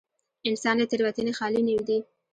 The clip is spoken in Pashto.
انسان له تېروتنې خالي نه دی.